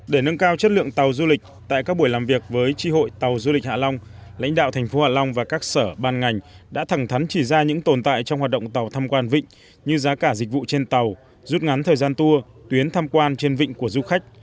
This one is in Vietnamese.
để nâng cao chất lượng tàu du lịch tại các buổi làm việc với tri hội tàu du lịch hạ long lãnh đạo thành phố hạ long và các sở ban ngành đã thẳng thắn chỉ ra những tồn tại trong hoạt động tàu thăm quan vịnh như giá cả dịch vụ trên tàu rút ngắn thời gian tour tuyến tham quan trên vịnh của du khách